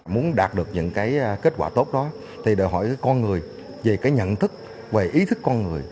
muốn đạt được những cái kết quả tốt đó thì đòi hỏi con người về cái nhận thức về ý thức con người